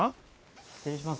失礼します